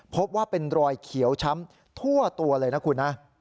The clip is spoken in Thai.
พบว่าเป็นรอยเขียวช้ำทั่วตัวเลยนะคุณนะ